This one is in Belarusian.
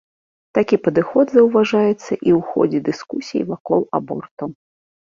Такі падыход заўважаецца і ў ходзе дыскусій вакол абортаў.